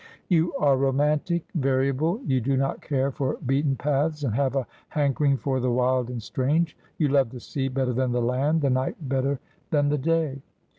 ' You are romantic, variable. You do not care for beaten paths, and have a hankering for the wild and strange. You love the sea better than tlie laud, the night better than the day.'